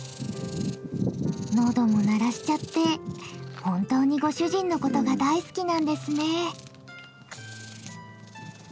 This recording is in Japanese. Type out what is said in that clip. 喉も鳴らしちゃって本当にご主人のことが大好きなんですね。